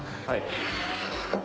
はい。